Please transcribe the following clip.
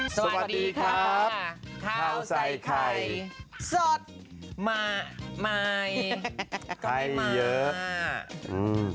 สวัสดีครับข้าวใส่ไข่สดมาใหม่ให้เยอะ